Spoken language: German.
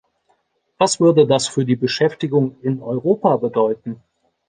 Was würde das für die Beschäftigung in Europa bedeuten?